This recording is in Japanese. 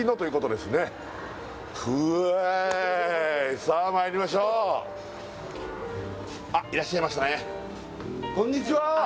いさあまいりましょうあっいらっしゃいましたねこんにちは